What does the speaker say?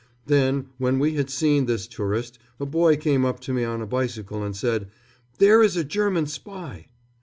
Then, when we had seen this tourist, a boy came up to me on a bicycle, and said, "There is a German spy!"